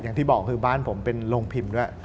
อย่างที่บอกคือบ้านผมเป็นโรงพิมพ์ด้วย